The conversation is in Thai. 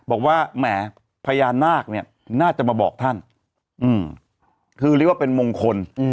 บอกว่าแหมพญานาคเนี่ยน่าจะมาบอกท่านคือเรียกว่าเป็นมงคล